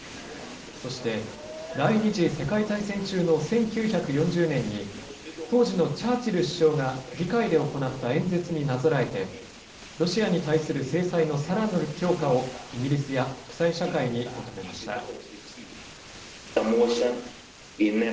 そして、第２次世界大戦中の１９４０年に、当時のチャーチル首相が議会で行った演説になぞらえて、ロシアに対する制裁のさらなる強化を、イギリスや国際社会に求めました。